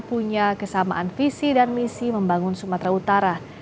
punya kesamaan visi dan misi membangun sumatera utara